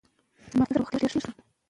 که شګه وي نو کلا نه جوړیږي.